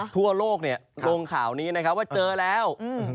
ทั่วโลกเนี่ยลงข่าวนี้นะครับว่าเจอแล้ว